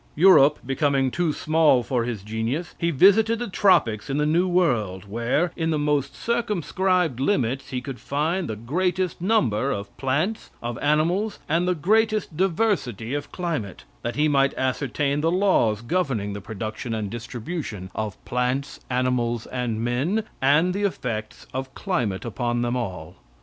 Europe becoming too small for his genius, he visited the tropics in the new world, where, in the most circumscribed limits, he could find the greatest number of plants, of animals, and the greatest diversity of climate, that he might ascertain the laws governing the production and distribution of plants, animals and men, and the effects of climate upon them all.